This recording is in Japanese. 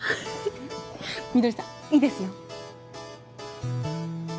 みどりさんいいですよ